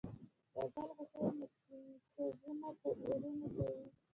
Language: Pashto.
د ګل غوټو مسكيتوبونه به اورونه کوي